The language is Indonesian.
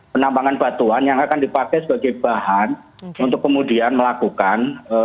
penambangan batuan yang akan dipakai sebagai bahan untuk kemudian melakukan